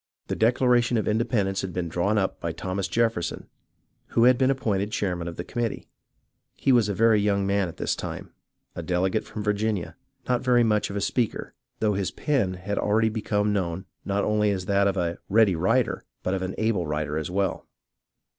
The Declaration of Independence had been drawn up by Thomas Jefferson, who had been appointed chairman of the committee. Lie was a very young man at this time, a delegate from Virginia, not very much of a speaker, though his pen had already become known not only as that of a "ready writer" but of an able writer as well.